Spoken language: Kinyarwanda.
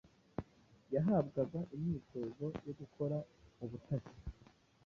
yahabwaga imyitozo yo gukora ubutasi